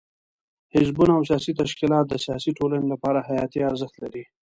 حزبونه او سیاسي تشکیلات د سیاسي ټولنې لپاره حیاتي ارزښت لري.